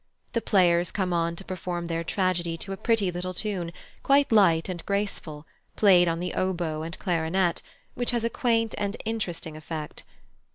The players come on to perform their tragedy to a pretty little tune, quite light and graceful, played on the oboe and clarinet, which has a quaint and interesting effect.